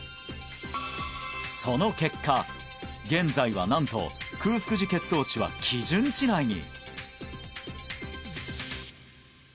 その結果現在はなんと空腹時血糖値は基準値内に！